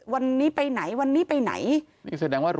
วันนี้ไปไหนวันนี้ไปไหน